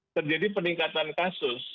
terjadi peningkatan kasus